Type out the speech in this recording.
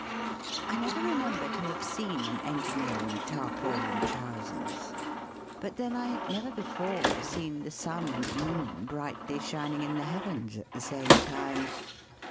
I never remember to have seen an en gineer in tarpaulin trousers ; but then I had never before seen the sim and moon brightly shining in the heavens at the same time.